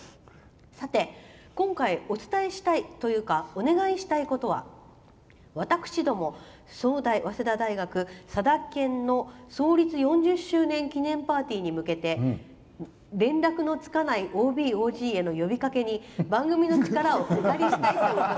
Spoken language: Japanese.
さて今回お伝えしたいというかお願いしたいことは私ども、早稲田大学さだ研の創立４０周年記念パーティーに向けて連絡のつかないＯＢ・ＯＧへの呼びかけに番組の力をお借りしたいのです」。